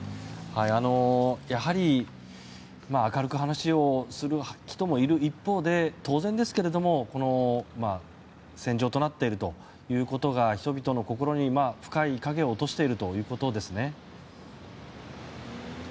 やはり明るく話をする人もいる一方で当然ですけども戦場となっているということが人々の心に深い影を落としているということですね。